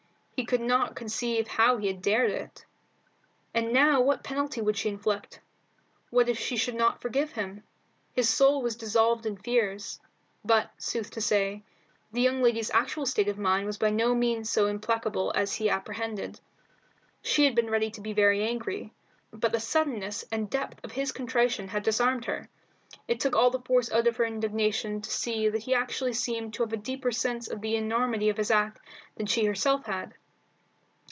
He could not conceive how he had dared it. And now what penalty would she inflict? What if she should not forgive him? His soul was dissolved in fears. But, sooth to say, the young lady's actual state of mind was by no means so implacable as he apprehended. She had been ready to be very angry, but the suddenness and depth of his contrition had disarmed her. It took all the force out of her indignation to see that he actually seemed to have a deeper sense of the enormity of his act than she herself had.